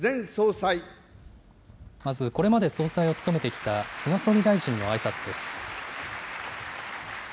まずこれまで総裁を務めてきた、菅総理大臣のあいさつです。